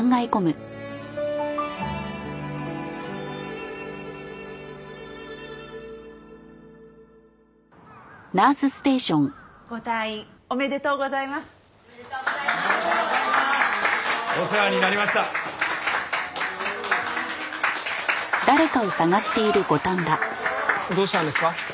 どうしたんですか？